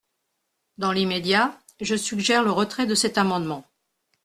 Dans l’immédiat, je suggère le retrait de cet amendement.